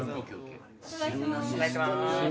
お伺いします。